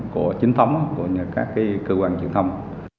của chính thống của các cơ quan chính thống